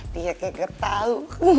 dia kaya ketau